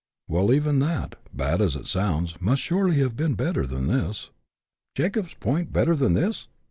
"" Well, even that, bad as it sounds, must surely have been better than this." " Jacob's Point better than this